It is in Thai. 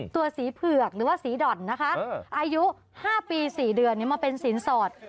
ตัวสีเผือกหรือว่าสีด่อนนะคะอายุ๕ปี๔เดือนมาเป็นสินสอด